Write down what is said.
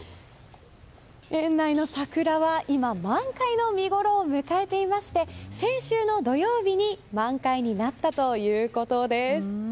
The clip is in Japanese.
園内の桜は今満開の見ごろを迎えていまして先週の土曜日に満開になったということです。